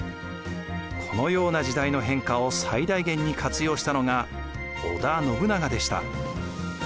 このような時代の変化を最大限に活用したのが織田信長でした。